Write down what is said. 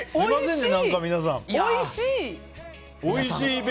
おいしい！